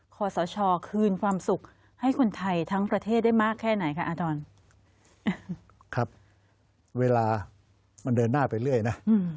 ขอสชคืนความสุขให้คนไทยทั้งประเทศได้มากแค่ไหนคะอาทรครับเวลามันเดินหน้าไปเรื่อยนะ